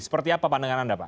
seperti apa pandangan anda pak